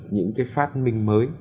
những cái phát minh mới